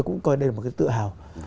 tôi cũng coi đây là một cái tự hào